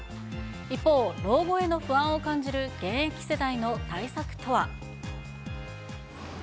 一方、老後への不安を感じる現役世代の対策とは？